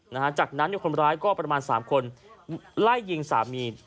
นะฮะจากนั้นเนี่ยคนร้ายก็ประมาณสามคนไล่ยิงสามี